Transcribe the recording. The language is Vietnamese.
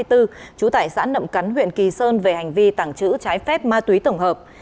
trú tại sãn nậm cắn huyện kỳ sơn về hành vi tảng trữ trái phép ma túy tổng hợp